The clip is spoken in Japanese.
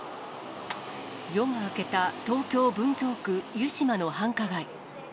夜が明けた東京・文京区湯島の繁華街。